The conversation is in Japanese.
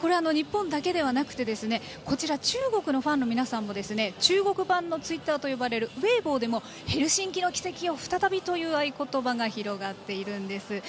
これは日本だけではなくてこちら、中国のファンの皆さんも中国版のツイッターと呼ばれるウェイボーでも「ヘルシンキの奇跡を再び」という合言葉が広がっています。